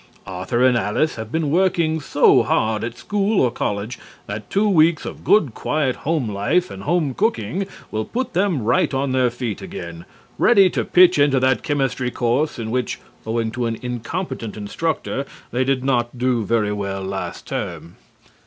Arthur and Alice have been working so hard at school or college that two weeks of good quiet home life and home cooking will put them right on their feet again, ready to pitch into that chemistry course in which, owing to an incompetent instructor, they did not do very well last term.